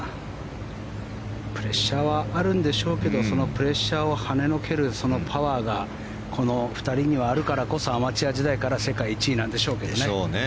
プレッシャーはあるんでしょうけどそのプレッシャーを跳ねのけるそのパワーがこの２人にはあるからこそアマチュア時代から世界１位なんでしょうけどね。